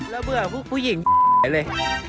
แล้วเบื่อพวกผู้หญิงแบบนี้เลย